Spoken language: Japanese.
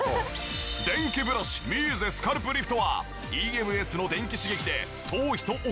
電気ブラシミーゼスカルプリフトはＥＭＳの電気刺激で頭皮とお顔をケア。